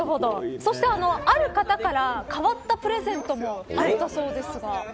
そして、ある方から変わったプレゼントをもらったそうですが。